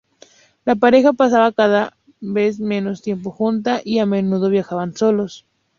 La pareja pasaba cada vez menos tiempo junta y a menudo viajaban solos.